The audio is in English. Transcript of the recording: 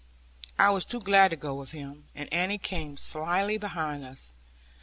I was too glad to go with him, and Annie came slyly after us.